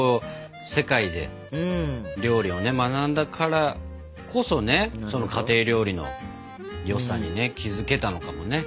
世界で料理を学んだからこそね家庭料理の良さにね気づけたのかもね。